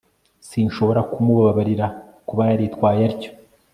s] sinshobora kumubabarira kuba yaritwaye atyo